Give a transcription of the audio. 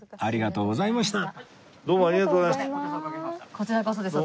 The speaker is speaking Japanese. こちらこそです。